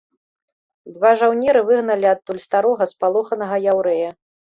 Два жаўнеры выгналі адтуль старога спалоханага яўрэя.